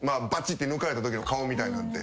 ッて抜かれたときの顔みたいなんて。